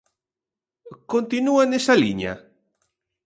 Continúa nesa liña?